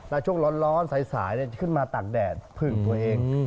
แล้วช่วงร้อนสายขึ้นมาตากแดดผึ่งตัวเอง